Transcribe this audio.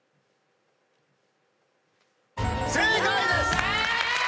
正解です！